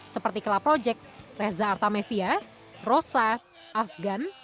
seperti club project reza artamevia rosa afgan